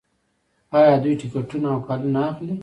آیا دوی ټکټونه او کالي نه اخلي؟